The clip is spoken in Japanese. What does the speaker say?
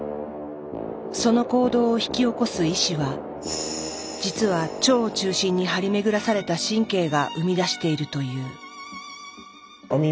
その行動を引き起こす「意思」は実は腸を中心に張り巡らされた神経が生み出しているという。